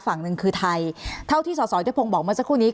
ฝั่งหนึ่งคือไทยเท่าที่สอดสอดเจ้าพงบอกมาสักครู่นี้